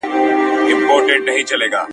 که څوک دي نه پېژني په مسجد کي غلا وکړه ,